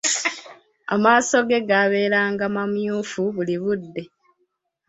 Amaaso ge gaabeeranga mamyufu buli budde.